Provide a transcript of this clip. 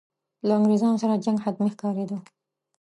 له انګرېزانو سره جنګ حتمي ښکارېدی.